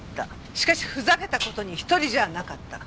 しかしふざけた事に１人じゃなかった。